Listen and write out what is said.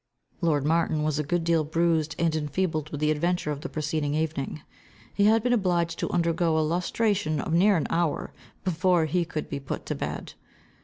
Lord Martin was a good deal bruised and enfeebled with the adventure of the preceding evening. He had been obliged to undergo a lustration of near an hour, before he could be put to bed.